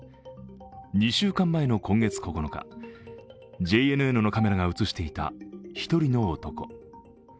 ２週間前の今月９日、ＪＮＮのカメラが映していた１人の男。